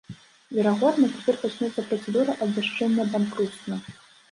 Верагодна, цяпер пачнецца працэдура абвяшчэння банкруцтва.